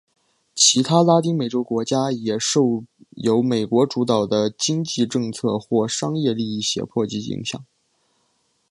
其他拉丁美洲国家也受由美国主导的经济政策或商业利益胁迫及影响。